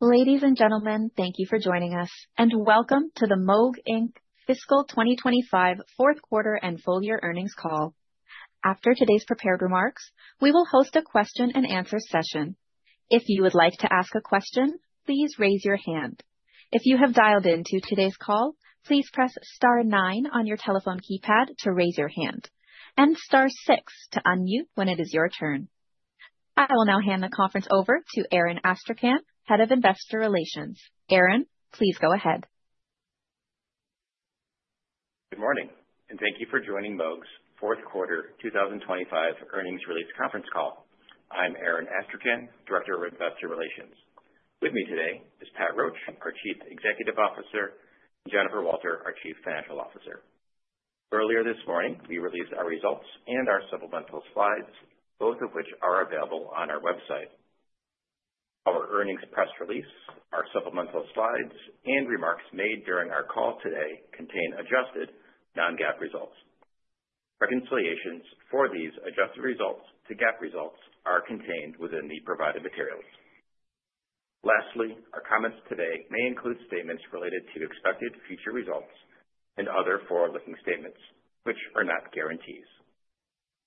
Ladies and gentlemen, thank you for joining us, and welcome to the Moog fiscal 2025 fourth quarter and full year earnings call. After today's prepared remarks, we will host a question-and-answer session. If you would like to ask a question, please raise your hand. If you have dialed into today's call, please press star nine on your telephone keypad to raise your hand, and star six to unmute when it is your turn. I will now hand the conference over to Aaron Astrachan, Head of Investor Relations. Aaron, please go ahead. Good morning, and thank you for joining Moog's Fourth Quarter 2025 Earnings Release Conference Call. I'm Aaron Astrachan, Director of Investor Relations. With me today is Pat Roche, our Chief Executive Officer, and Jennifer Walter, our Chief Financial Officer. Earlier this morning, we released our results and our supplemental slides, both of which are available on our website. Our earnings press release, our supplemental slides, and remarks made during our call today contain adjusted, Non-GAAP results. Reconciliations for these adjusted results to GAAP results are contained within the provided materials. Lastly, our comments today may include statements related to expected future results and other forward-looking statements, which are not guarantees.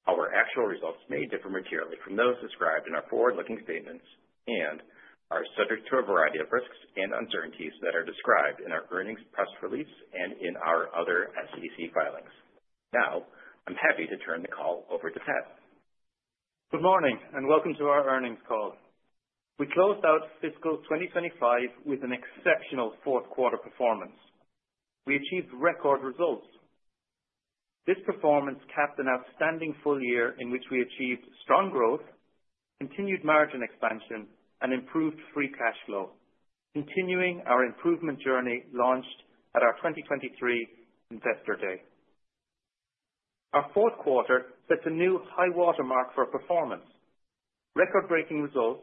Our actual results may differ materially from those described in our forward-looking statements and are subject to a variety of risks and uncertainties that are described in our earnings press release and in our other SEC filings. Now, I'm happy to turn the call over to Pat. Good morning, and welcome to our earnings call. We closed out Fiscal 2025 with an exceptional fourth quarter performance. We achieved record results. This performance capped an outstanding full year in which we achieved strong growth, continued margin expansion, and improved free cash flow, continuing our improvement journey launched at our 2023 Investor Day. Our fourth quarter set a new high-water mark for performance. Record-breaking results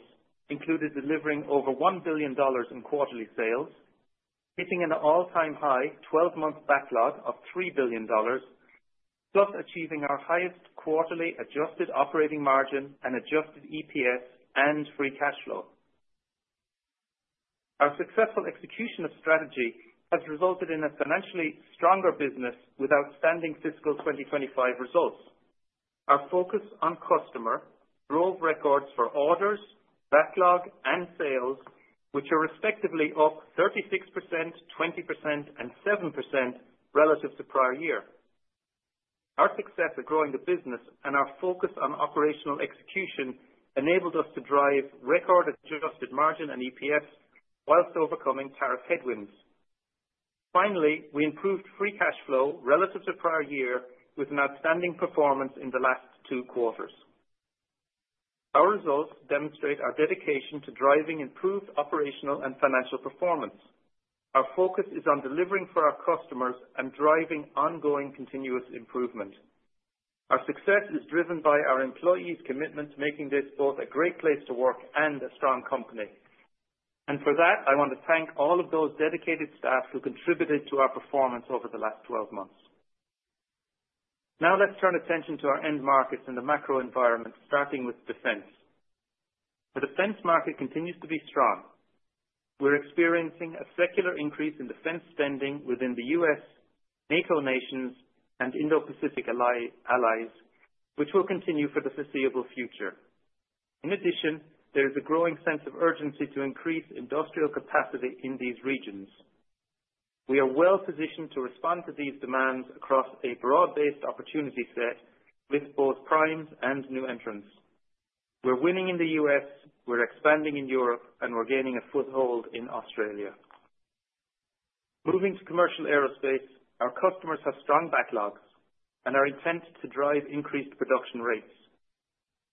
included delivering over $1 billion in quarterly sales, hitting an all-time high 12-month backlog of $3 billion, plus achieving our highest quarterly adjusted operating margin and adjusted EPS and free cash flow. Our successful execution of strategy has resulted in a financially stronger business with outstanding Fiscal 2025 results. Our focus on customer drove records for orders, backlog, and sales, which are respectively up 36%, 20%, and 7% relative to prior year. Our success at growing the business and our focus on operational execution enabled us to drive record-adjusted margin and EPS whilst overcoming tariff headwinds. Finally, we improved free cash flow relative to prior year with an outstanding performance in the last two quarters. Our results demonstrate our dedication to driving improved operational and financial performance. Our focus is on delivering for our customers and driving ongoing continuous improvement. Our success is driven by our employees' commitment to making this both a great place to work and a strong company. For that, I want to thank all of those dedicated staff who contributed to our performance over the last 12 months. Now, let's turn attention to our end markets and the macro environment, starting with defense. The defense market continues to be strong. We're experiencing a secular increase in defense spending within the U.S., NATO nations, and Indo-Pacific allies, which will continue for the foreseeable future. In addition, there is a growing sense of urgency to increase industrial capacity in these regions. We are well positioned to respond to these demands across a broad-based opportunity set with both primes and new entrants. We're winning in the U.S., we're expanding in Europe, and we're gaining a foothold in Australia. Moving to commercial aerospace, our customers have strong backlogs and are intent to drive increased production rates.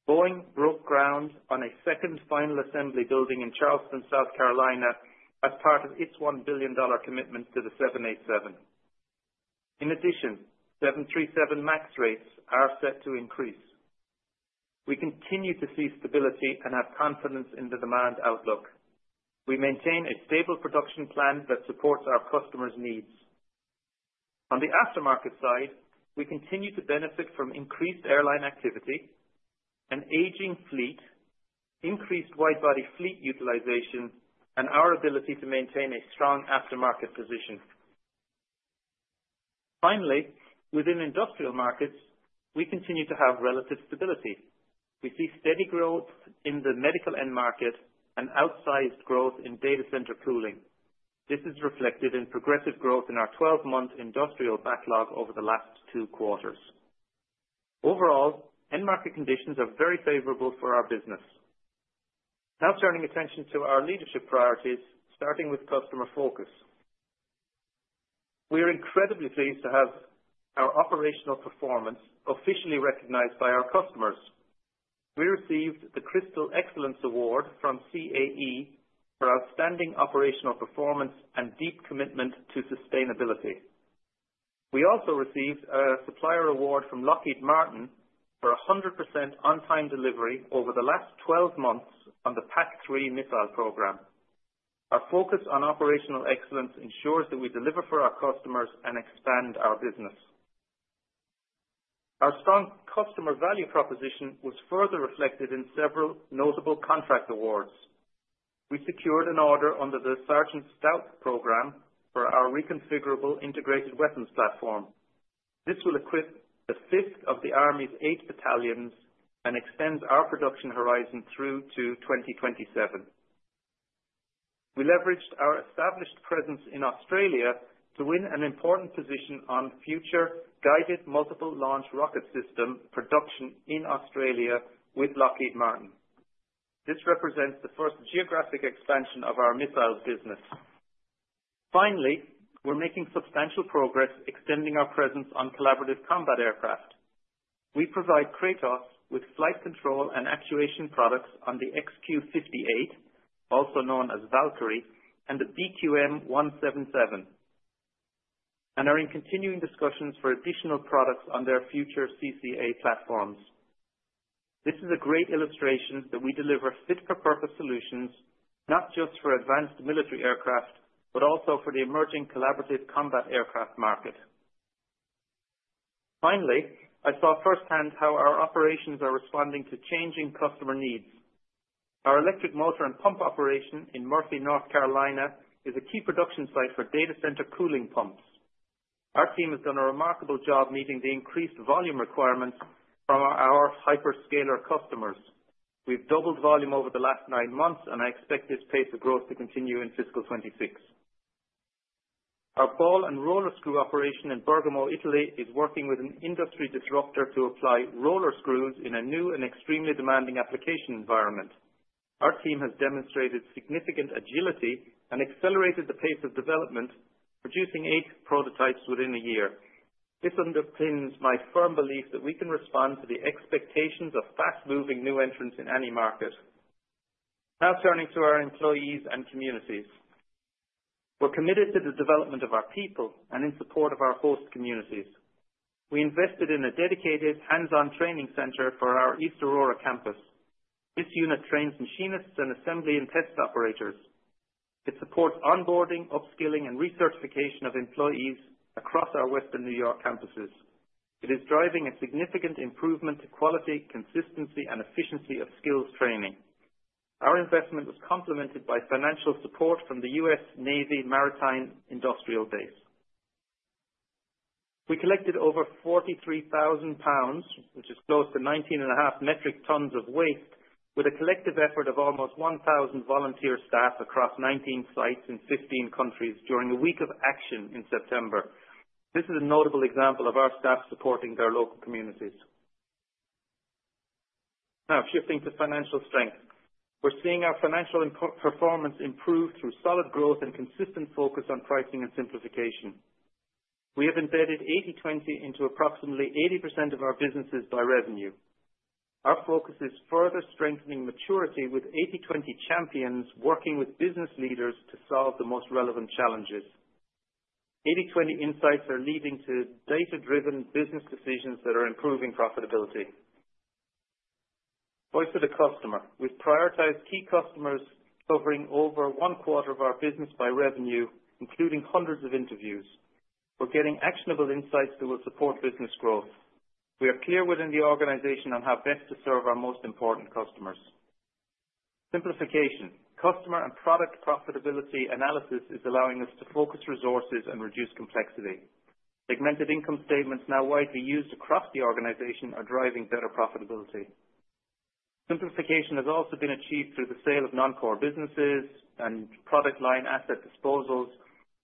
Boeing broke ground on a second final assembly building in Charleston, South Carolina, as part of its $1 billion commitment to the 787. In addition, 737 MAX rates are set to increase. We continue to see stability and have confidence in the demand outlook. We maintain a stable production plan that supports our customers' needs. On the aftermarket side, we continue to benefit from increased airline activity, an aging fleet, increased widebody fleet utilization, and our ability to maintain a strong aftermarket position. Finally, within industrial markets, we continue to have relative stability. We see steady growth in the medical end market and outsized growth in data center cooling. This is reflected in progressive growth in our 12-month industrial backlog over the last two quarters. Overall, end market conditions are very favorable for our business. Now, turning attention to our leadership priorities, starting with customer focus. We are incredibly pleased to have our operational performance officially recognized by our customers. We received the Crystal Excellence Award from CAE for outstanding operational performance and deep commitment to sustainability. We also received a supplier award from Lockheed Martin for 100% on-time delivery over the last 12 months on the PAC-3 missile program. Our focus on operational excellence ensures that we deliver for our customers and expand our business. Our strong customer value proposition was further reflected in several notable contract awards. We secured an order under the Sergeant Stout program for our reconfigurable integrated weapons platform. This will equip the fifth of the Army's eight battalions and extend our production horizon through to 2027. We leveraged our established presence in Australia to win an important position on future guided multiple launch rocket system production in Australia with Lockheed Martin. This represents the first geographic expansion of our missile business. Finally, we're making substantial progress extending our presence on collaborative combat aircraft. We provide Kratos with flight control and actuation products on the XQ-58, also known as Valkyrie, and the BQM-177, and are in continuing discussions for additional products on their future CCA platforms. This is a great illustration that we deliver fit-for-purpose solutions not just for advanced military aircraft, but also for the emerging collaborative combat aircraft market. Finally, I saw firsthand how our operations are responding to changing customer needs. Our electric motor and pump operation in Murphy, North Carolina, is a key production site for data center cooling pumps. Our team has done a remarkable job meeting the increased volume requirements from our hyperscaler customers. We've doubled volume over the last nine months, and I expect this pace of growth to continue in Fiscal 2026. Our ball and roller screw operation in Bergamo, Italy, is working with an industry disruptor to apply roller screws in a new and extremely demanding application environment. Our team has demonstrated significant agility and accelerated the pace of development, producing eight prototypes within a year. This underpins my firm belief that we can respond to the expectations of fast-moving new entrants in any market. Now, turning to our employees and communities. We're committed to the development of our people and in support of our host communities. We invested in a dedicated hands-on training center for our East Aurora campus. This unit trains machinists and assembly and test operators. It supports onboarding, upskilling, and recertification of employees across our Western New York campuses. It is driving a significant improvement to quality, consistency, and efficiency of skills training. Our investment was complemented by financial support from the U.S. Navy Maritime Industrial Base. We collected over 43,000 lbs, which is close to 19 and a half metric tons of waste, with a collective effort of almost 1,000 volunteer staff across 19 sites in 15 countries during a week of action in September. This is a notable example of our staff supporting their local communities. Now, shifting to financial strength. We're seeing our financial performance improve through solid growth and consistent focus on pricing and simplification. We have embedded 80/20 into approximately 80% of our businesses by revenue. Our focus is further strengthening maturity with 80/20 champions working with business leaders to solve the most relevant challenges. 80/20 insights are leading to data-driven business decisions that are improving profitability. Voice of the customer. We've prioritized key customers covering over one quarter of our business by revenue, including hundreds of interviews. We're getting actionable insights that will support business growth. We are clear within the organization on how best to serve our most important customers. Simplification. Customer and product profitability analysis is allowing us to focus resources and reduce complexity. Segmented income statements now widely used across the organization are driving better profitability. Simplification has also been achieved through the sale of non-core businesses and product line asset disposals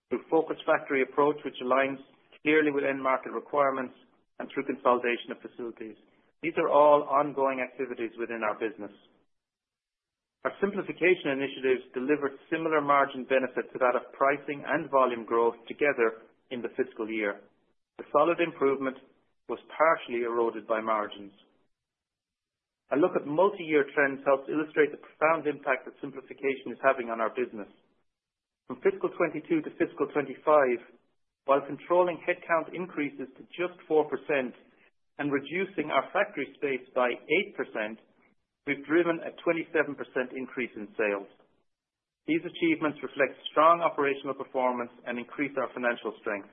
through a focused factory approach, which aligns clearly with end market requirements, and through consolidation of facilities. These are all ongoing activities within our business. Our simplification initiatives delivered similar margin benefit to that of pricing and volume growth together in the fiscal year. The solid improvement was partially eroded by margins. A look at multi-year trends helps illustrate the profound impact that simplification is having on our business. From Fiscal 2022 to Fiscal 2025, while controlling headcount increases to just 4% and reducing our factory space by 8%, we've driven a 27% increase in sales. These achievements reflect strong operational performance and increase our financial strength.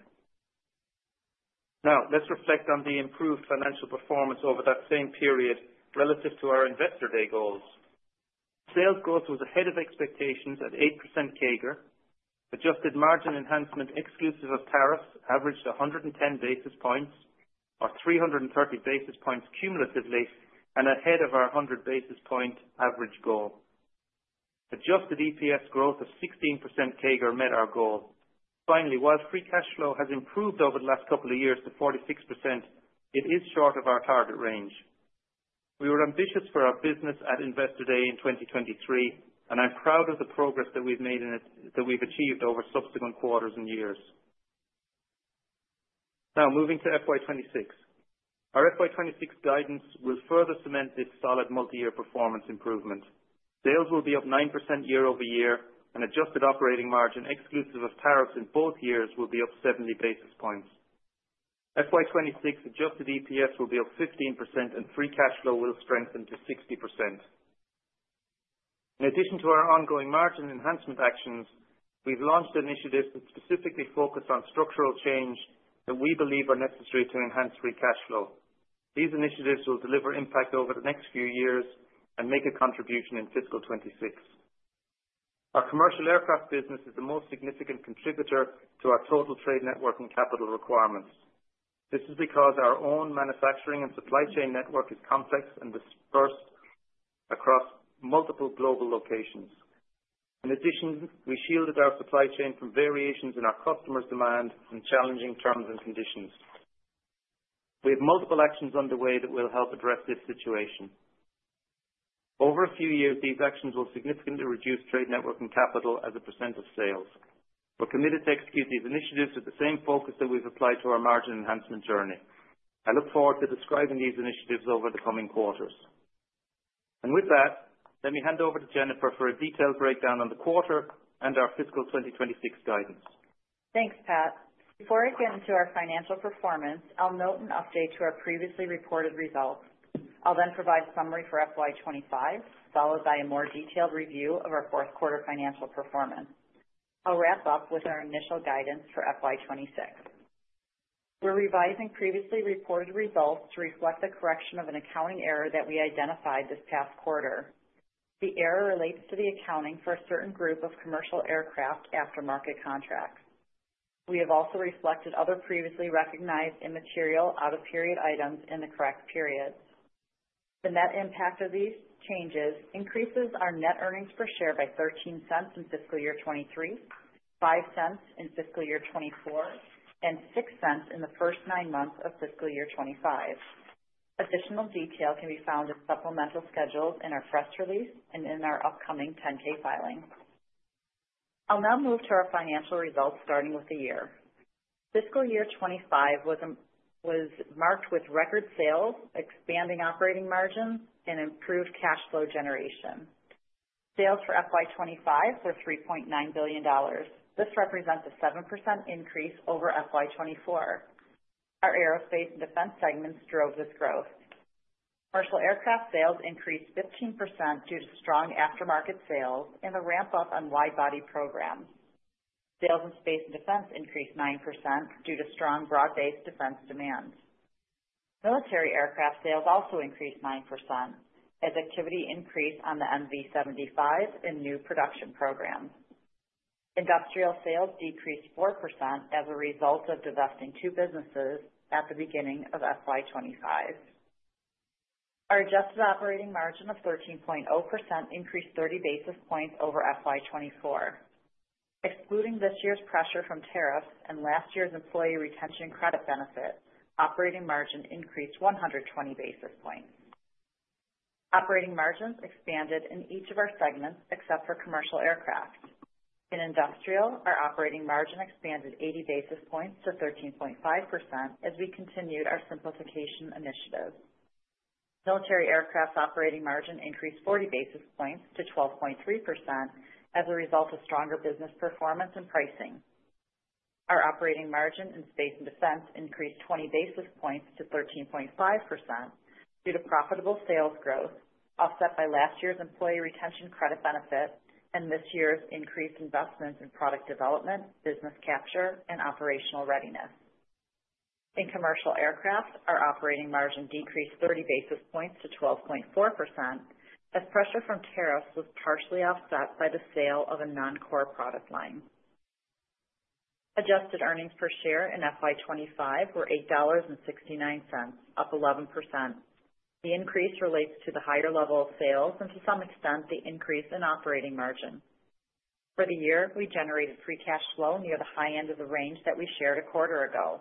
Now, let's reflect on the improved financial performance over that same period relative to our investor day goals. Sales growth was ahead of expectations at 8% CAGR. Adjusted margin enhancement exclusive of tariffs averaged 110 basis points, or 330 basis points cumulatively, and ahead of our 100 basis point average goal. Adjusted EPS growth of 16% CAGR met our goal. Finally, while free cash flow has improved over the last couple of years to 46%, it is short of our target range. We were ambitious for our business at investor day in 2023, and I'm proud of the progress that we've made and that we've achieved over subsequent quarters and years. Now, moving to FY 2026. Our FY 2026 guidance will further cement this solid multi-year performance improvement. Sales will be up 9% year-over-year, and adjusted operating margin exclusive of tariffs in both years will be up 70 basis points. FY 2026 adjusted EPS will be up 15%, and free cash flow will strengthen to 60%. In addition to our ongoing margin enhancement actions, we've launched initiatives that specifically focus on structural change that we believe are necessary to enhance free cash flow. These initiatives will deliver impact over the next few years and make a contribution in Fiscal 2026. Our commercial aircraft business is the most significant contributor to our total trade network and capital requirements. This is because our own manufacturing and supply chain network is complex and dispersed across multiple global locations. In addition, we shielded our supply chain from variations in our customers' demand and challenging terms and conditions. We have multiple actions underway that will help address this situation. Over a few years, these actions will significantly reduce trade network and capital as a percent of sales. We're committed to execute these initiatives with the same focus that we've applied to our margin enhancement journey. I look forward to describing these initiatives over the coming quarters. With that, let me hand over to Jennifer for a detailed breakdown on the quarter and our Fiscal 2026 guidance. Thanks, Pat. Before I get into our financial performance, I'll note an update to our previously reported results. I'll then provide a summary for FY 2025, followed by a more detailed review of our fourth quarter financial performance. I'll wrap up with our initial guidance for FY 2026. We're revising previously reported results to reflect the correction of an accounting error that we identified this past quarter. The error relates to the accounting for a certain group of commercial aircraft aftermarket contracts. We have also reflected other previously recognized immaterial out-of-period items in the correct periods. The net impact of these changes increases our net earnings per share by $0.13 in Fiscal Year 2023, $0.05 in Fiscal Year 2024, and $0.06 in the first nine months of Fiscal Year 2025. Additional detail can be found in supplemental schedules in our press release and in our upcoming 10-K filing. I'll now move to our financial results starting with the year. Fiscal Year 2025 was marked with record sales, expanding operating margins, and improved cash flow generation. Sales for FY 2025 were $3.9 billion. This represents a 7% increase over FY 2024. Our aerospace and defense segments drove this growth. Commercial aircraft sales increased 15% due to strong aftermarket sales and a ramp-up on widebody programs. Sales in space and defense increased 9% due to strong broad-based defense demands. Military aircraft sales also increased 9% as activity increased on the MV-75 and new production programs. Industrial sales decreased 4% as a result of divesting two businesses at the beginning of FY 2025. Our adjusted operating margin of 13.0% increased 30 basis points over FY 2024. Excluding this year's pressure from tariffs and last year's employee retention credit benefit, operating margin increased 120 basis points. Operating margins expanded in each of our segments except for commercial aircraft. In industrial, our operating margin expanded 80 basis points to 13.5% as we continued our simplification initiative. Military aircraft operating margin increased 40 basis points to 12.3% as a result of stronger business performance and pricing. Our operating margin in space and defense increased 20 basis points to 13.5% due to profitable sales growth offset by last year's employee retention credit benefit and this year's increased investments in product development, business capture, and operational readiness. In commercial aircraft, our operating margin decreased 30 basis points to 12.4% as pressure from tariffs was partially offset by the sale of a non-core product line. Adjusted earnings per share in FY 2025 were $8.69, up 11%. The increase relates to the higher level of sales and, to some extent, the increase in operating margin. For the year, we generated free cash flow near the high end of the range that we shared a quarter ago.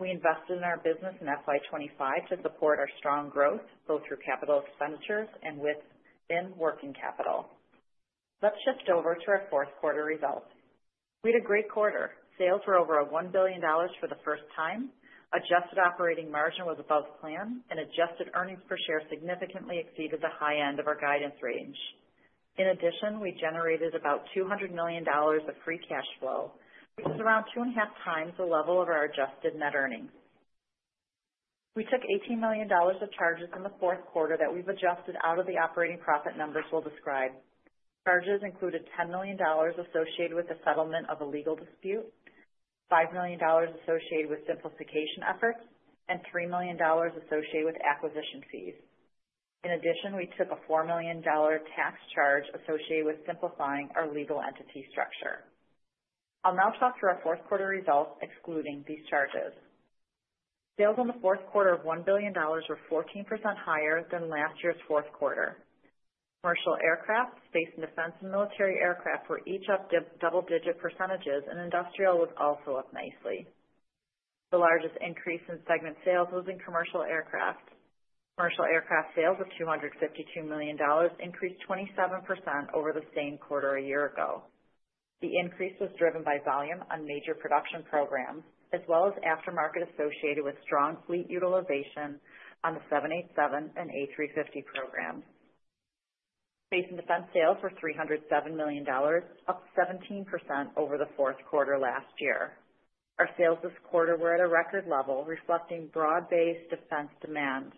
We invested in our business in FY 2025 to support our strong growth both through Capital Expenditures and within working capital. Let's shift over to our fourth quarter results. We had a great quarter. Sales were over $1 billion for the first time. Adjusted operating margin was above plan, and adjusted earnings per share significantly exceeded the high end of our guidance range. In addition, we generated about $200 million of free cash flow, which is around two and a half times the level of our adjusted net earnings. We took $18 million of charges in the fourth quarter that we've adjusted out of the operating profit numbers we'll describe. Charges included $10 million associated with the settlement of a legal dispute, $5 million associated with simplification efforts, and $3 million associated with acquisition fees. In addition, we took a $4 million tax charge associated with simplifying our legal entity structure. I'll now talk through our fourth quarter results excluding these charges. Sales in the fourth quarter of $1 billion were 14% higher than last year's fourth quarter. Commercial aircraft, space and defense, and military aircraft were each up double-digit percentages, and industrial was also up nicely. The largest increase in segment sales was in commercial aircraft. Commercial aircraft sales of $252 million increased 27% over the same quarter a year ago. The increase was driven by volume on major production programs, as well as aftermarket associated with strong fleet utilization on the 787 and A350 programs. Space and defense sales were $307 million, up 17% over the fourth quarter last year. Our sales this quarter were at a record level, reflecting broad-based defense demand.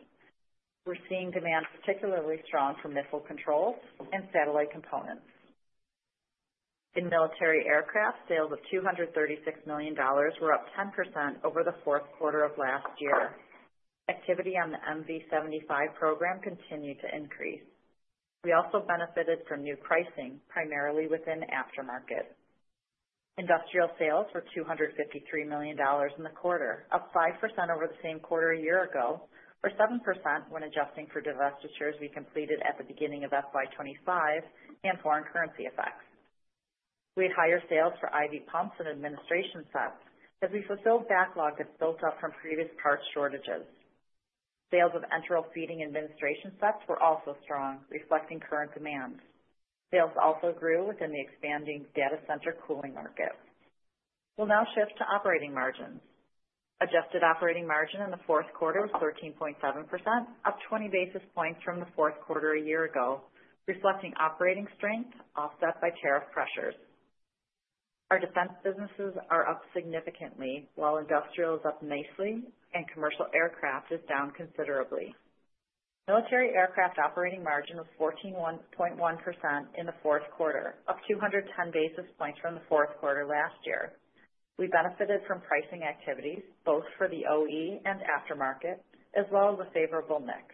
We're seeing demand particularly strong for missile controls and satellite components. In military aircraft, sales of $236 million were up 10% over the fourth quarter of last year. Activity on the MV-75 program continued to increase. We also benefited from new pricing, primarily within aftermarket. Industrial sales were $253 million in the quarter, up 5% over the same quarter a year ago, or 7% when adjusting for divestitures we completed at the beginning of FY 2025 and foreign currency effects. We had higher sales for IV pumps and administration sets as we fulfilled backlog that built up from previous parts shortages. Sales of enteral feeding administration sets were also strong, reflecting current demand. Sales also grew within the expanding data center cooling market. We'll now shift to operating margins. Adjusted operating margin in the fourth quarter was 13.7%, up 20 basis points from the fourth quarter a year ago, reflecting operating strength offset by tariff pressures. Our defense businesses are up significantly, while industrial is up nicely and commercial aircraft is down considerably. Military aircraft operating margin was 14.1% in the fourth quarter, up 210 basis points from the fourth quarter last year. We benefited from pricing activities both for the OE and aftermarket, as well as a favorable mix.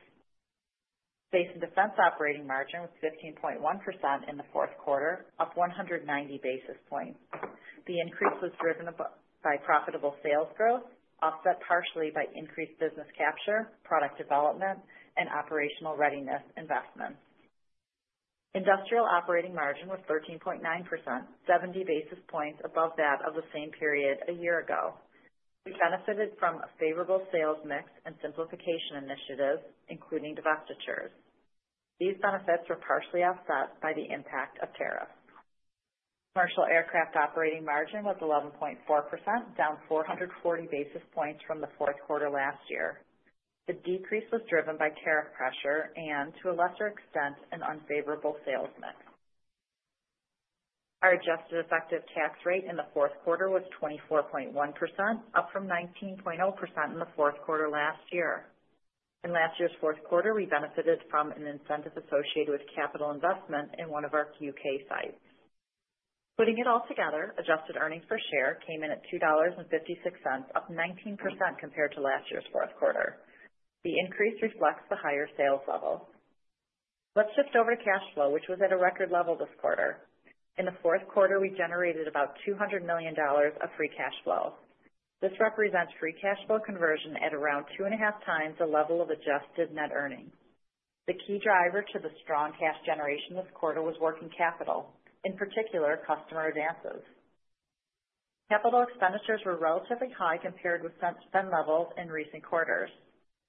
Space and defense operating margin was 15.1% in the fourth quarter, up 190 basis points. The increase was driven by profitable sales growth, offset partially by increased business capture, product development, and operational readiness investments. Industrial operating margin was 13.9%, 70 basis points above that of the same period a year ago. We benefited from a favorable sales mix and simplification initiatives, including divestitures. These benefits were partially offset by the impact of tariffs. Commercial aircraft operating margin was 11.4%, down 440 basis points from the fourth quarter last year. The decrease was driven by tariff pressure and, to a lesser extent, an unfavorable sales mix. Our adjusted effective tax rate in the fourth quarter was 24.1%, up from 19.0% in the fourth quarter last year. In last year's fourth quarter, we benefited from an incentive associated with capital investment in one of our U.K. sites. Putting it all together, adjusted earnings per share came in at $2.56, up 19% compared to last year's fourth quarter. The increase reflects the higher sales level. Let's shift over to cash flow, which was at a record level this quarter. In the fourth quarter, we generated about $200 million of free cash flow. This represents free cash flow conversion at around two and a half times the level of adjusted net earnings. The key driver to the strong cash generation this quarter was working capital, in particular customer advances. Capital Expenditures were relatively high compared with spend levels in recent quarters.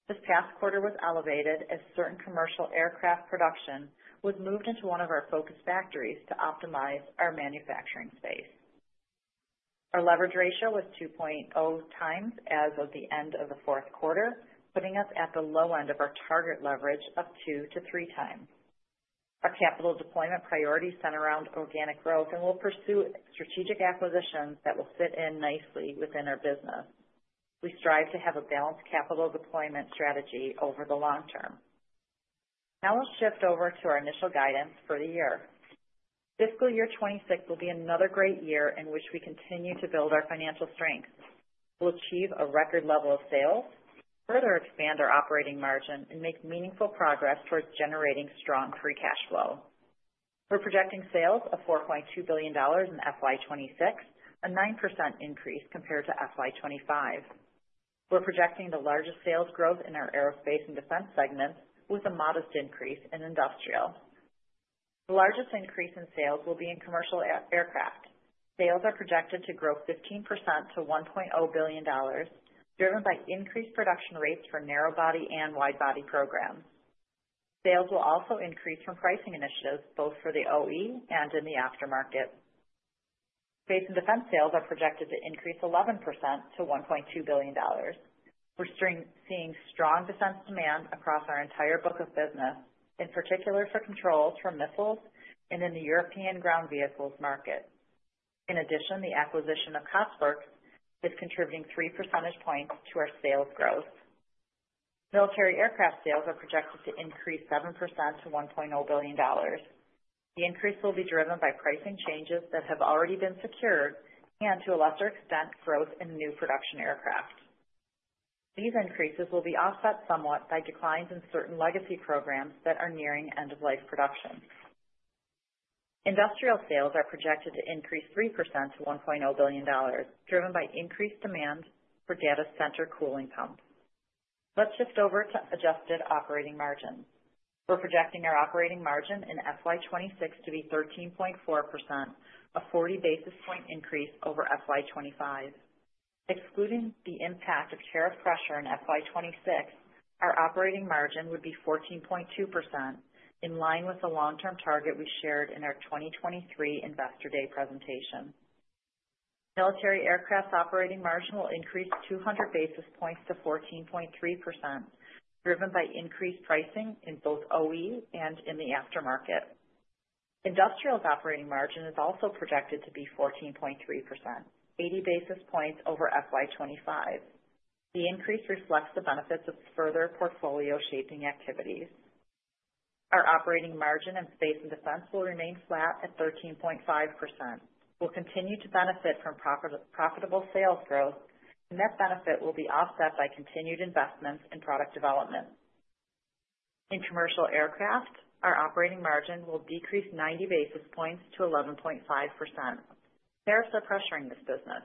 This past quarter was elevated as certain commercial aircraft production was moved into one of our focus factories to optimize our manufacturing space. Our leverage ratio was 2.0 times as of the end of the fourth quarter, putting us at the low end of our target leverage of two to three times. Our capital deployment priority centered around organic growth, and we'll pursue strategic acquisitions that will fit in nicely within our business. We strive to have a balanced capital deployment strategy over the long term. Now we'll shift over to our initial guidance for the year. Fiscal Year 2026 will be another great year in which we continue to build our financial strength. We'll achieve a record level of sales, further expand our operating margin, and make meaningful progress towards generating strong free cash flow. We're projecting sales of $4.2 billion in FY 2026, a 9% increase compared to FY 2025. We're projecting the largest sales growth in our aerospace and defense segments with a modest increase in industrial. The largest increase in sales will be in commercial aircraft. Sales are projected to grow 15% to $1.0 billion, driven by increased production rates for narrow body and wide body programs. Sales will also increase from pricing initiatives both for the OE and in the aftermarket. Space and defense sales are projected to increase 11% to $1.2 billion. We're seeing strong defense demand across our entire book of business, in particular for controls for missiles and in the European ground vehicles market. In addition, the acquisition of Cosworks is contributing 3 percentage points to our sales growth. Military aircraft sales are projected to increase 7% to $1.0 billion. The increase will be driven by pricing changes that have already been secured and, to a lesser extent, growth in new production aircraft. These increases will be offset somewhat by declines in certain legacy programs that are nearing end-of-life production. Industrial sales are projected to increase 3% to $1.0 billion, driven by increased demand for data center cooling pumps. Let's shift over to adjusted operating margin. We're projecting our operating margin in FY 2026 to be 13.4%, a 40 basis point increase over FY 2025. Excluding the impact of tariff pressure in FY 2026, our operating margin would be 14.2%, in line with the long-term target we shared in our 2023 Investor Day presentation. Military aircraft operating margin will increase 200 basis points to 14.3%, driven by increased pricing in both OE and in the aftermarket. Industrial's operating margin is also projected to be 14.3%, 80 basis points over FY 2025. The increase reflects the benefits of further portfolio shaping activities. Our operating margin in space and defense will remain flat at 13.5%. We'll continue to benefit from profitable sales growth, and that benefit will be offset by continued investments in product development. In commercial aircraft, our operating margin will decrease 90 basis points to 11.5%. Tariffs are pressuring this business.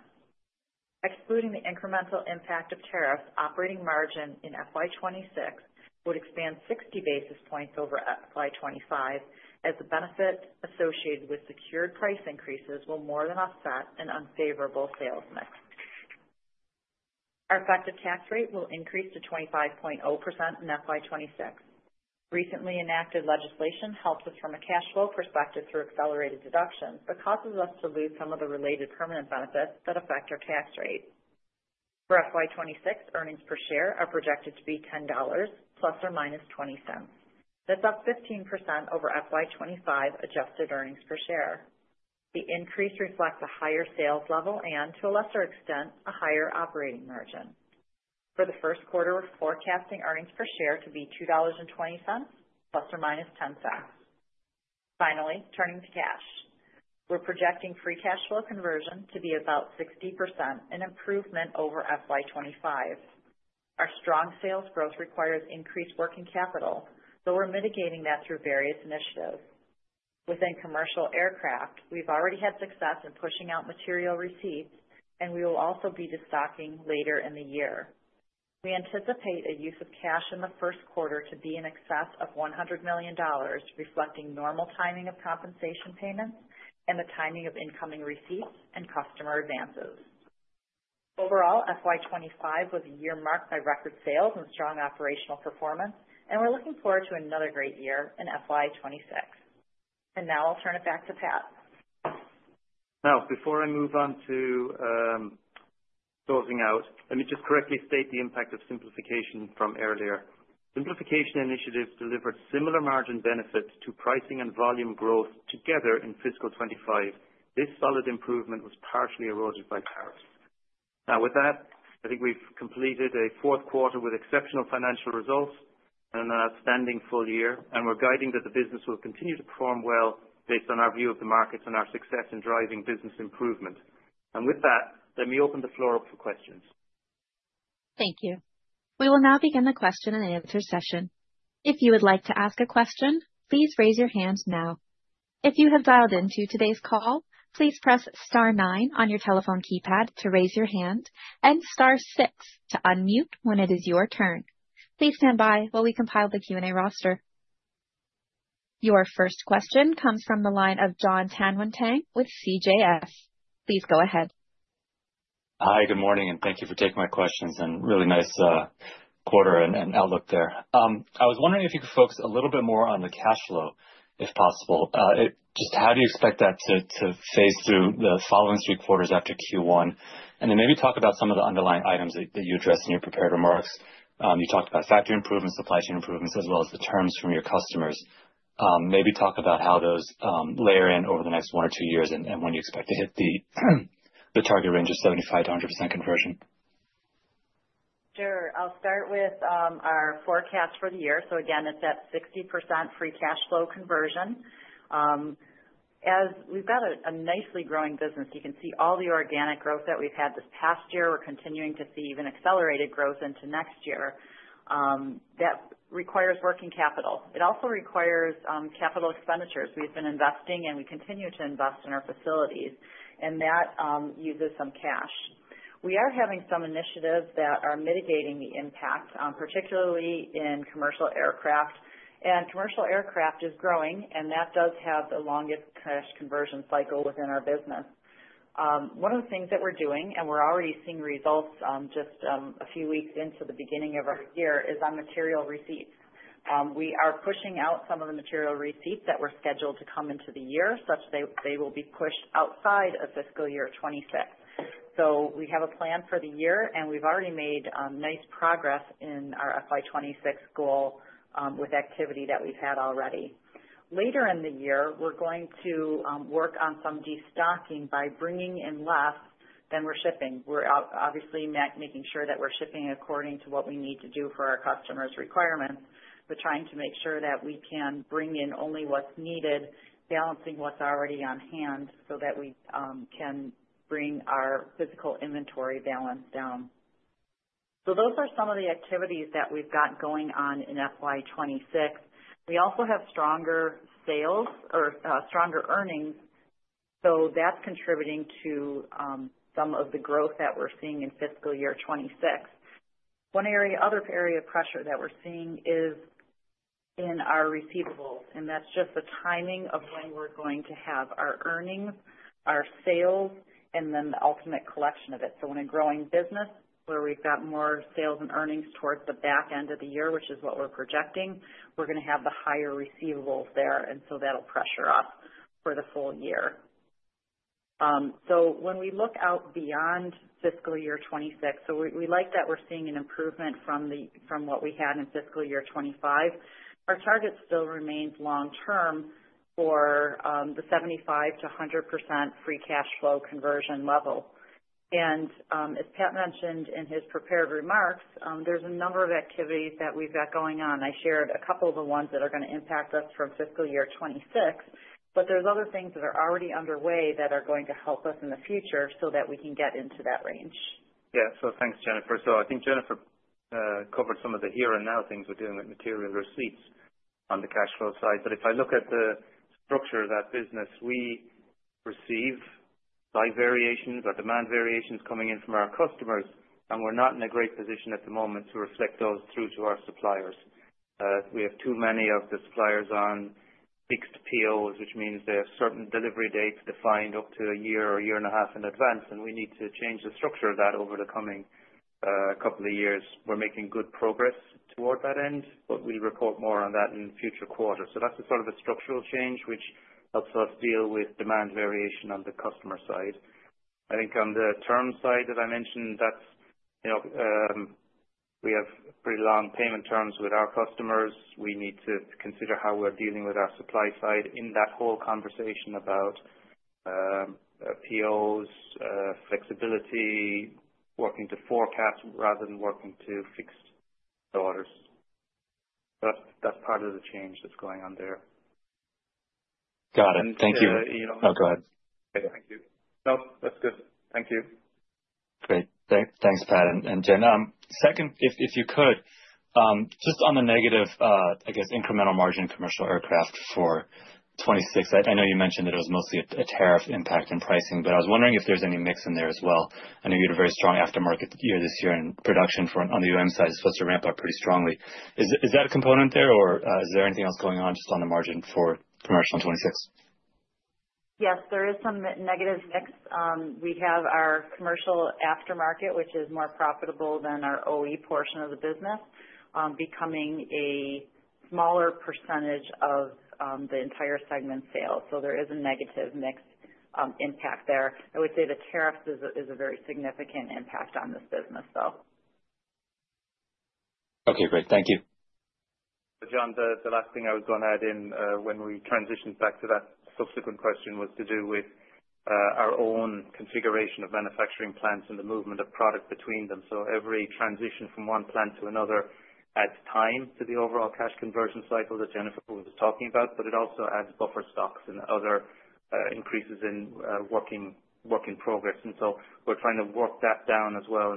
Excluding the incremental impact of tariffs, operating margin in FY 2026 would expand 60 basis points over FY 2025, as the benefit associated with secured price increases will more than offset an unfavorable sales mix. Our effective tax rate will increase to 25.0% in FY 2026. Recently enacted legislation helps us from a cash flow perspective through accelerated deductions but causes us to lose some of the related permanent benefits that affect our tax rate. For FY 2026, earnings per share are projected to be $10 ±20 cents. That's up 15% over FY 2025 adjusted earnings per share. The increase reflects a higher sales level and, to a lesser extent, a higher operating margin. For the first quarter, we're forecasting earnings per share to be $2.20 ±10 cents. Finally, turning to cash. We're projecting free cash flow conversion to be about 60%, an improvement over FY 2025. Our strong sales growth requires increased working capital, so we're mitigating that through various initiatives. Within commercial aircraft, we've already had success in pushing out material receipts, and we will also be destocking later in the year. We anticipate a use of cash in the first quarter to be in excess of $100 million, reflecting normal timing of compensation payments and the timing of incoming receipts and customer advances. Overall, FY 2025 was a year marked by record sales and strong operational performance, and we're looking forward to another great year in FY 2026. I'll turn it back to Pat. Before I move on to closing out, let me just correctly state the impact of simplification from earlier. Simplification initiatives delivered similar margin benefits to pricing and volume growth together in fiscal 2025. This solid improvement was partially eroded by tariffs. Now, with that, I think we've completed a fourth quarter with exceptional financial results and an outstanding full year, and we're guiding that the business will continue to perform well based on our view of the markets and our success in driving business improvement. With that, let me open the floor up for questions. Thank you. We will now begin the question-and-answer session. If you would like to ask a question, please raise your hand now. If you have dialed into today's call, please press star nine on your telephone keypad to raise your hand and star six to unmute when it is your turn. Please stand by while we compile the Q&A roster. Your first question comes from the line of Jonathan Tanwanteng with CJS. Please go ahead. Hi, good morning, and thank you for taking my questions. Really nice quarter and outlook there. I was wondering if you could focus a little bit more on the cash flow, if possible. Just how do you expect that to phase through the following three quarters after Q1? Maybe talk about some of the underlying items that you addressed in your prepared remarks. You talked about factory improvements, supply chain improvements, as well as the terms from your customers. Maybe talk about how those layer in over the next one or two years and when you expect to hit the target range of 75%-100% conversion. Sure. I'll start with our forecast for the year. Again, it's at 60% free cash flow conversion. As we've got a nicely growing business, you can see all the organic growth that we've had this past year. We're continuing to see even accelerated growth into next year. That requires working capital. It also requires Capital Expenditures. We've been investing, and we continue to invest in our facilities, and that uses some cash. We are having some initiatives that are mitigating the impact, particularly in commercial aircraft. Commercial aircraft is growing, and that does have the longest cash conversion cycle within our business. One of the things that we're doing, and we're already seeing results just a few weeks into the beginning of our year, is on material receipts. We are pushing out some of the material receipts that were scheduled to come into the year, such that they will be pushed outside of fiscal year 2026. We have a plan for the year, and we've already made nice progress in our FY 2026 goal with activity that we've had already. Later in the year, we're going to work on some destocking by bringing in less than we're shipping. We're obviously making sure that we're shipping according to what we need to do for our customers' requirements. We're trying to make sure that we can bring in only what's needed, balancing what's already on hand so that we can bring our physical inventory balance down. Those are some of the activities that we've got going on in FY 2026. We also have stronger sales or stronger earnings, so that's contributing to some of the growth that we're seeing in fiscal year 2026. One other area of pressure that we're seeing is in our receivables, and that's just the timing of when we're going to have our earnings, our sales, and then the ultimate collection of it. In a growing business where we've got more sales and earnings towards the back end of the year, which is what we're projecting, we're going to have the higher receivables there, and that will pressure us for the full year. When we look out beyond fiscal year 2026, we like that we're seeing an improvement from what we had in fiscal year 2025. Our target still remains long term for the 75%-100% free cash flow conversion level. As Pat mentioned in his prepared remarks, there's a number of activities that we've got going on. I shared a couple of the ones that are going to impact us from fiscal year 2026, but there are other things that are already underway that are going to help us in the future so that we can get into that range. Yeah. Thanks, Jennifer. I think Jennifer covered some of the here and now things we are doing with material receipts on the cash flow side. If I look at the structure of that business, we receive size variations or demand variations coming in from our customers, and we are not in a great position at the moment to reflect those through to our suppliers. We have too many of the suppliers on fixed POs, which means they have certain delivery dates defined up to a year or a year and a half in advance, and we need to change the structure of that over the coming couple of years. We are making good progress toward that end, but we will report more on that in future quarters. That is the sort of structural change, which helps us deal with demand variation on the customer side. I think on the term side that I mentioned, we have pretty long payment terms with our customers. We need to consider how we are dealing with our supply side in that whole conversation about POs, flexibility, working to forecast rather than working to fixed orders. That is part of the change that is going on there. Got it. Thank you. Oh, go ahead. Thank you. No, that is good. Thank you. Great. Thanks, Pat and Jen. Second, if you could, just on the negative, I guess, incremental margin commercial aircraft for 2026, I know you mentioned that it was mostly a tariff impact in pricing, but I was wondering if there's any mix in there as well. I know you had a very strong aftermarket year this year, and production on the side is supposed to ramp up pretty strongly. Is that a component there, or is there anything else going on just on the margin for commercial in 2026? Yes, there is some negative mix. We have our commercial aftermarket, which is more profitable than our OE portion of the business, becoming a smaller percentage of the entire segment sales. So there is a negative mixed impact there. I would say the tariffs is a very significant impact on this business, though. Okay. Great. Thank you. John, the last thing I was going to add in when we transitioned back to that subsequent question was to do with our own configuration of manufacturing plants and the movement of product between them. Every transition from one plant to another adds time to the overall cash conversion cycle that Jennifer was talking about, but it also adds buffer stocks and other increases in working progress. We are trying to work that down as well.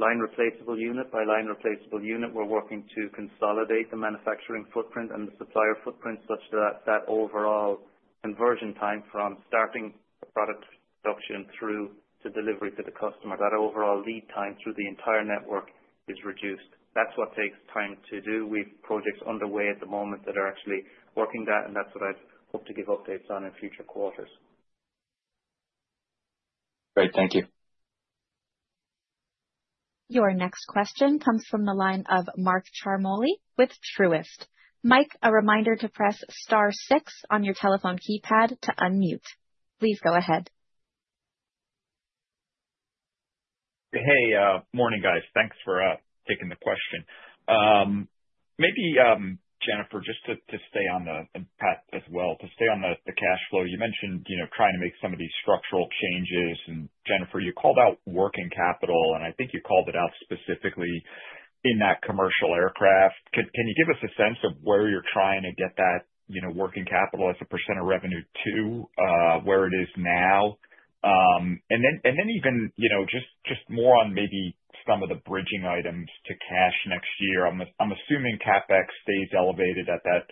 Line replaceable unit by line replaceable unit, we are working to consolidate the manufacturing footprint and the supplier footprint such that the overall conversion time from starting the product production through to delivery to the customer, that overall lead time through the entire network is reduced. That is what takes time to do. We have projects underway at the moment that are actually working that, and that's what I'd hope to give updates on in future quarters. Great. Thank you. Your next question comes from the line of Michael Ciarmoli with Truist. Mike, a reminder to press star six on your telephone keypad to unmute. Please go ahead. Hey, morning, guys. Thanks for taking the question. Maybe, Jennifer, just to stay on the path as well, to stay on the cash flow, you mentioned trying to make some of these structural changes. Jennifer, you called out working capital, and I think you called it out specifically in that commercial aircraft. Can you give us a sense of where you're trying to get that working capital as a percent of revenue to where it is now? Even just more on maybe some of the bridging items to cash next year. I'm assuming CapEx stays elevated at that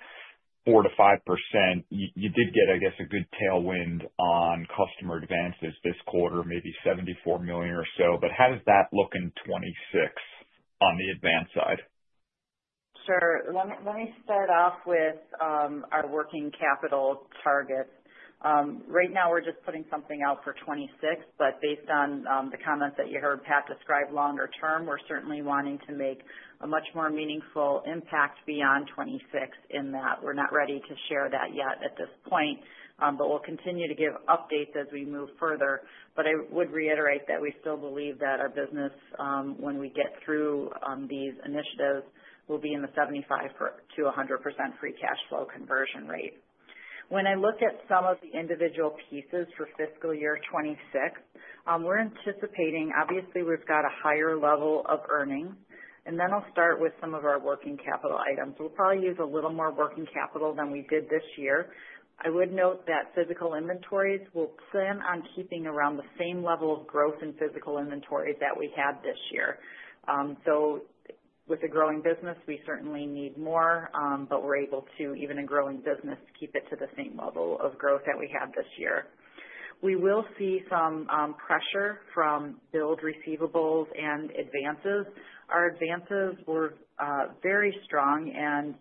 4%-5%. You did get, I guess, a good tailwind on customer advances this quarter, maybe $74 million or so. How does that look in 2026 on the advance side? Sure. Let me start off with our working capital targets. Right now, we're just putting something out for 2026, but based on the comments that you heard Pat describe longer term, we're certainly wanting to make a much more meaningful impact beyond 2026 in that. We're not ready to share that yet at this point, but we'll continue to give updates as we move further. I would reiterate that we still believe that our business, when we get through these initiatives, will be in the 75%-100% free cash flow conversion rate. When I look at some of the individual pieces for fiscal year 2026, we're anticipating, obviously, we've got a higher level of earnings. I'll start with some of our working capital items. We'll probably use a little more working capital than we did this year. I would note that physical inventories, we'll plan on keeping around the same level of growth in physical inventories that we had this year. With a growing business, we certainly need more, but we're able to, even in a growing business, keep it to the same level of growth that we had this year. We will see some pressure from build receivables and advances. Our advances were very strong, and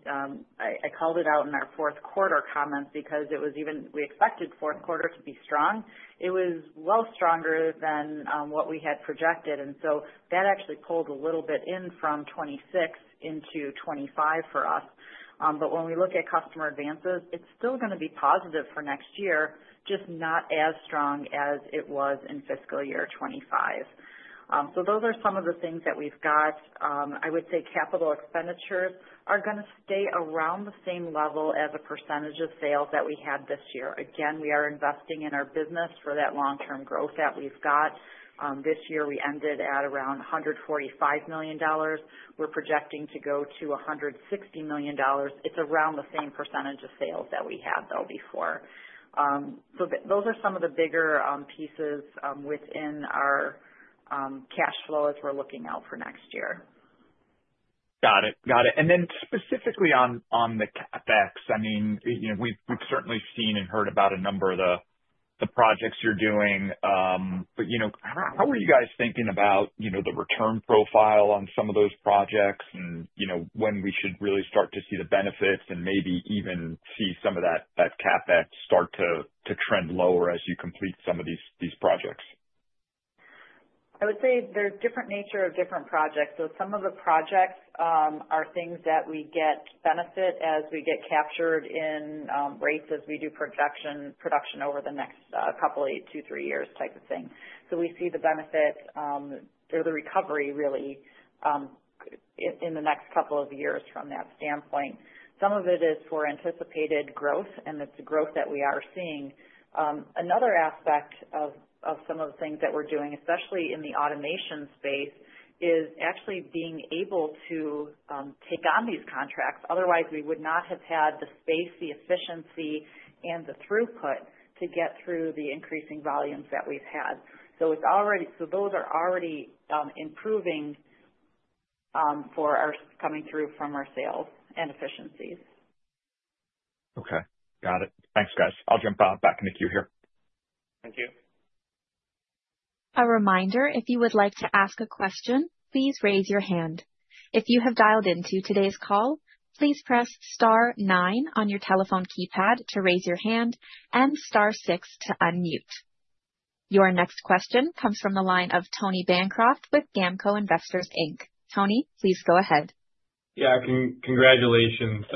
I called it out in our fourth quarter comments because it was, even we expected fourth quarter to be strong. It was well stronger than what we had projected, and that actually pulled a little bit in from 2026 into 2025 for us. When we look at customer advances, it is still going to be positive for next year, just not as strong as it was in fiscal year 2025. Those are some of the things that we have got. I would say Capital Expenditures are going to stay around the same level as a percentage of sales that we had this year. Again, we are investing in our business for that long-term growth that we have got. This year, we ended at around $145 million. We are projecting to go to $160 million. It is around the same percentage of sales that we had before. Those are some of the bigger pieces within our cash flow as we are looking out for next year. Got it. Got it. Specifically on the CapEx, I mean, we've certainly seen and heard about a number of the projects you're doing. How are you guys thinking about the return profile on some of those projects and when we should really start to see the benefits and maybe even see some of that CapEx start to trend lower as you complete some of these projects? I would say there's different nature of different projects. Some of the projects are things that we get benefit as we get captured in rates as we do production over the next couple of two, three years type of thing. We see the benefit or the recovery, really, in the next couple of years from that standpoint. Some of it is for anticipated growth, and it's growth that we are seeing. Another aspect of some of the things that we're doing, especially in the automation space, is actually being able to take on these contracts. Otherwise, we would not have had the space, the efficiency, and the throughput to get through the increasing volumes that we've had. Those are already improving for our coming through from our sales and efficiencies. Okay. Got it. Thanks, guys. I'll jump back into queue here. Thank you. A reminder, if you would like to ask a question, please raise your hand. If you have dialed into today's call, please press star nine on your telephone keypad to raise your hand and star six to unmute. Your next question comes from the line of Tony Bancroft with Gamco Investors. Tony, please go ahead. Yeah. Congratulations,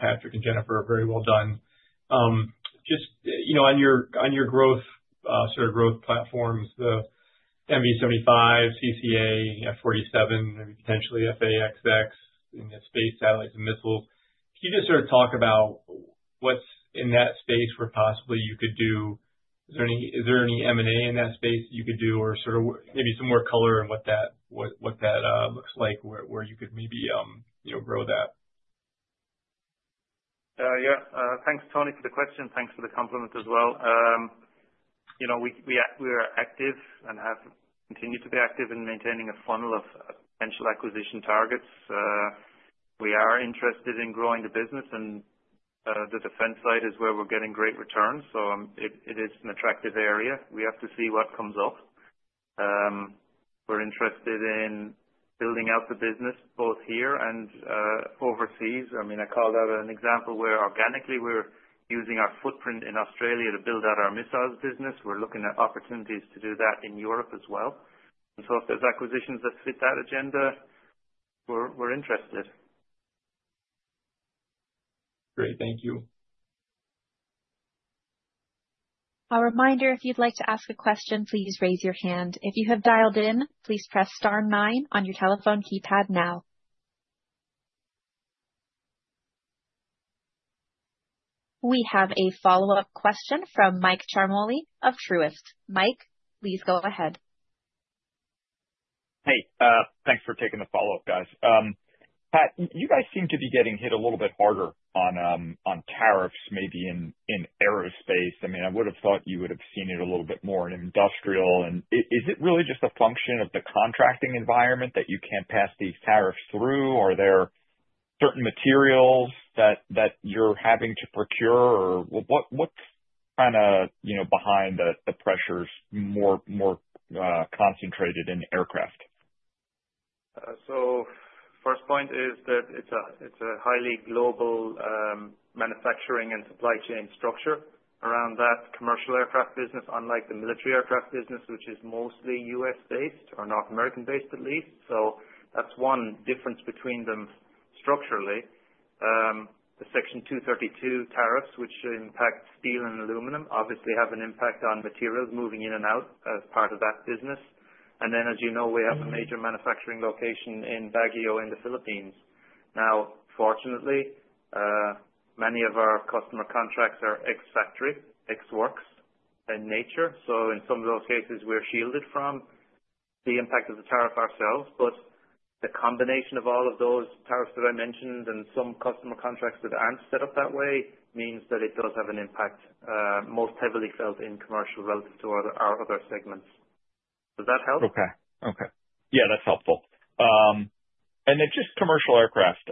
Patrick and Jennifer. Very well done. Just on your growth, sort of growth platforms, the MV75, CCA, F47, maybe potentially FAXX, and space satellites and missiles. Can you just sort of talk about what's in that space where possibly you could do? Is there any M&A in that space you could do or sort of maybe some more color on what that looks like, where you could maybe grow that? Yeah. Thanks, Tony, for the question. Thanks for the compliment as well. We are active and have continued to be active in maintaining a funnel of potential acquisition targets. We are interested in growing the business, and the defense side is where we're getting great returns. It is an attractive area. We have to see what comes up. We're interested in building out the business both here and overseas. I mean, I called out an example where organically we're using our footprint in Australia to build out our missiles business. We're looking at opportunities to do that in Europe as well. If there's acquisitions that fit that agenda, we're interested. Great. Thank you. A reminder, if you'd like to ask a question, please raise your hand. If you have dialed in, please press star nine on your telephone keypad now. We have a follow-up question from Michael Ciarmoli of Truist. Mike, please go ahead. Hey. Thanks for taking the follow-up, guys. Pat, you guys seem to be getting hit a little bit harder on tariffs, maybe in aerospace. I mean, I would have thought you would have seen it a little bit more in industrial. Is it really just a function of the contracting environment that you can't pass these tariffs through? Are there certain materials that you're having to procure? Or what's kind of behind the pressures more concentrated in aircraft? First point is that it's a highly global manufacturing and supply chain structure around that commercial aircraft business, unlike the military aircraft business, which is mostly U.S.-based or North American-based at least. That's one difference between them structurally. The Section 232 tariffs, which impact steel and aluminum, obviously have an impact on materials moving in and out as part of that business. As you know, we have a major manufacturing location in Baguio in the Philippines. Now, fortunately, many of our customer contracts are ex-factory, ex-works in nature. In some of those cases, we're shielded from the impact of the tariff ourselves. The combination of all of those tariffs that I mentioned and some customer contracts that are not set up that way means that it does have an impact most heavily felt in commercial relative to our other segments. Does that help? Okay. Okay. Yeah, that is helpful. And then just commercial aircraft,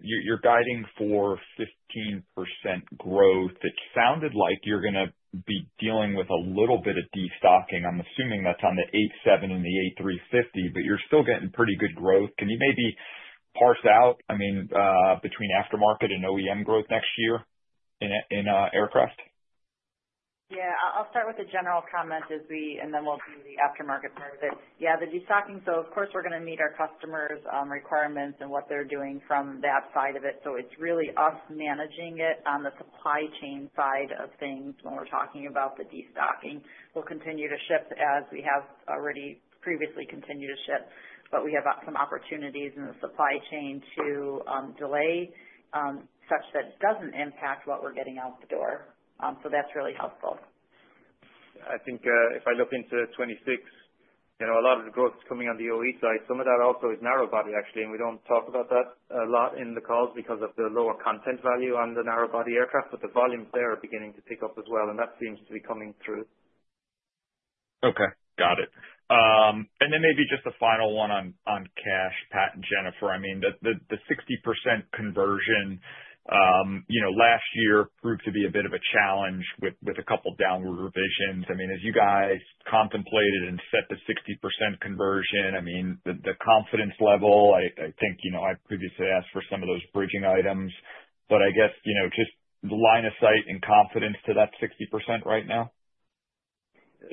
you are guiding for 15% growth. It sounded like you are going to be dealing with a little bit of destocking. I am assuming that is on the A7 and the A350, but you are still getting pretty good growth. Can you maybe parse out, I mean, between aftermarket and OEM growth next year in aircraft? Yeah. I will start with a general comment, and then we will do the aftermarket part of it. Yeah, the destocking. Of course, we are going to meet our customers' requirements and what they are doing from that side of it. It is really us managing it on the supply chain side of things when we are talking about the destocking. We will continue to ship as we have already previously continued to ship, but we have some opportunities in the supply chain to delay such that it does not impact what we are getting out the door. That is really helpful. I think if I look into 2026, a lot of the growth is coming on the OE side. Some of that also is narrow body, actually, and we do not talk about that a lot in the calls because of the lower content value on the narrow body aircraft, but the volumes there are beginning to pick up as well, and that seems to be coming through. Okay. Got it. Maybe just a final one on cash, Pat and Jennifer. I mean, the 60% conversion last year proved to be a bit of a challenge with a couple of downward revisions. I mean, as you guys contemplated and set the 60% conversion, I mean, the confidence level, I think I previously asked for some of those bridging items, but I guess just the line of sight and confidence to that 60% right now?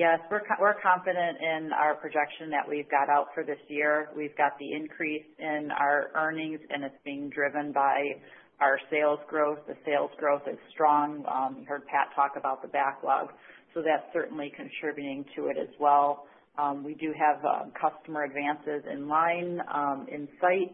Yes. We're confident in our projection that we've got out for this year. We've got the increase in our earnings, and it's being driven by our sales growth. The sales growth is strong. You heard Pat talk about the backlog. That is certainly contributing to it as well. We do have customer advances in line in sight,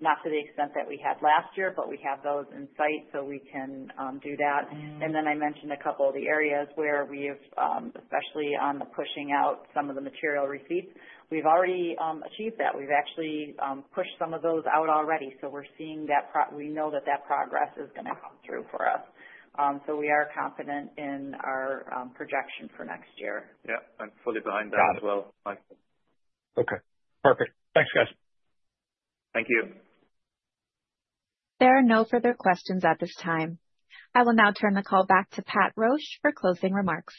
not to the extent that we had last year, but we have those in sight so we can do that. I mentioned a couple of the areas where we have, especially on the pushing out some of the material receipts, we've already achieved that. We've actually pushed some of those out already. We are seeing that we know that that progress is going to come through for us. We are confident in our projection for next year. Yeah. I'm fully behind that as well. Got it. Okay. Perfect. Thanks, guys. Thank you. There are no further questions at this time. I will now turn the call back to Pat Roche for closing remarks.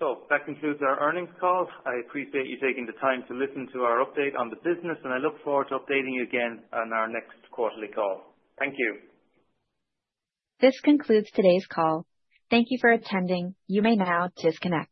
That concludes our earnings call. I appreciate you taking the time to listen to our update on the business, and I look forward to updating you again on our next quarterly call. Thank you. This concludes today's call. Thank you for attending. You may now disconnect.